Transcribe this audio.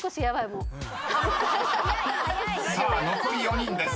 ［さあ残り４人です。